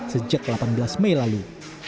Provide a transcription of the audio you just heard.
sejak delapan belas mei lalu